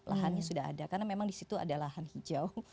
lahannya sudah ada karena memang di situ ada lahan hijau